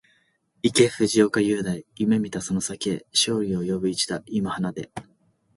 行け藤岡裕大、夢見たその先へ、勝利を呼ぶ一打、今放て